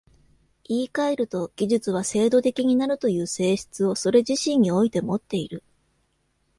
言い換えると、技術は制度的になるという性質をそれ自身においてもっている。